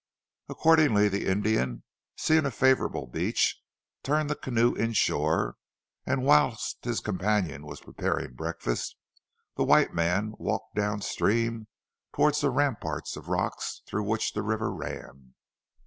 Accordingly, the Indian, seeing a favourable beach, turned the canoe inshore, and whilst his companion was preparing breakfast, the white man walked downstream towards the ramparts of rocks through which the river ran.